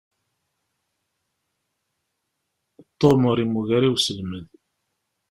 Tom ur yemmug ara i uselmed.